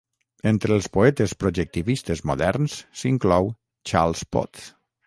Entre els poetes projectivistes moderns s'inclou Charles Potts.